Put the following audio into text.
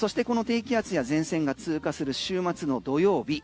そしてこの低気圧や前線が通過する週末の土曜日